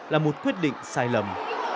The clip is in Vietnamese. là một quyết định sai lầm